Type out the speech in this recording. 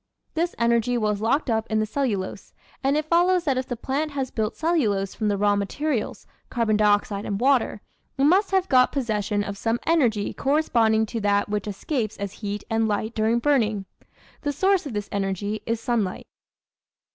This energy was locked up in the cellulose, and it follows that if the plant has built cellulose from the raw materials carbon dioxide and water, it must have got possession of some energy corresponding to that which escapes as heat and light during burning. The source of this energy is sunlight.